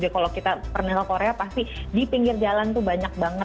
kalau kita pernah ke korea pasti di pinggir jalan tuh banyak banget